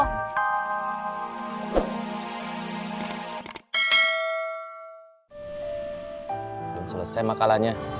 belum selesai makalanya